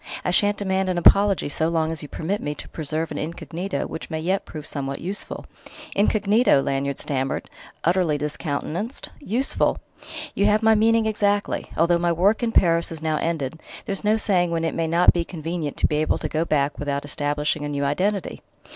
I shan't demand an apology so long as you permit me to preserve an incognito which may yet prove somewhat useful." "Incognito!" Lanyard stammered, utterly discountenanced. "Useful!" "You have my meaning exactly; although my work in Paris is now ended, there's no saying when it may not be convenient to be able to go back without establishing a new identity."